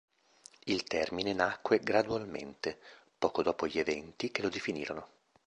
Il termine nacque gradualmente, poco dopo gli eventi che lo definirono.